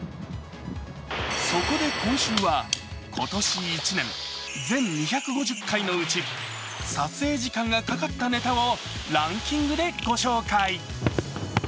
そこで今週は今年１年全２５０回のうち撮影時間がかかったネタをランキングでご紹介。